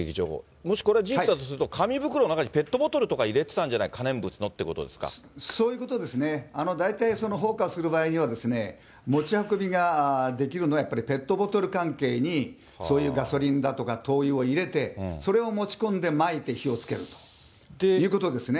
もし、これ事実だとすると、紙袋の中にペットボトルとか入れてたんじゃないか、可燃物のといそういうことですね、大体放火する場合には、持ち運びができるのはペットボトル関係に、そういうガソリンだとか灯油を入れて、それを持ち込んで、まいて火をつけるということですね。